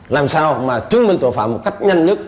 làm sao mà chứng minh tội phạm một cách nhanh nhất